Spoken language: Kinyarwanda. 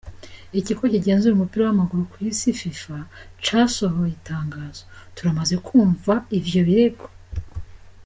Ikigo kigenzura umupira w'amaguru kw'isi Fifa casohoye itangazo: "Turamaze kwumva ivyo birego.